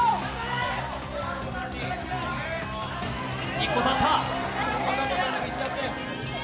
１個立った！